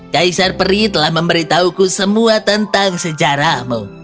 kaisar peri telah memberitahuku semua tentang sejarahmu